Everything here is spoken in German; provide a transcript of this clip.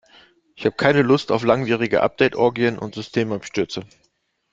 Ich habe aber keine Lust auf langwierige Update-Orgien und Systemabstürze.